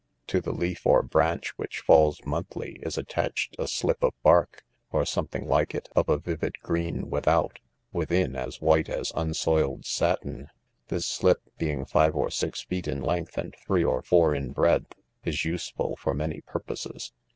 To the leaf or branch which falls monthly, is attached a slip of bark, or something like itj of' a vivid green without, within as white as unsoiled satin. This slip, oeing five or six feet in length and three or four in breadth, is useful for many purposes.